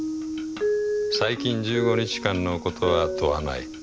最近１５日間のことは問わない。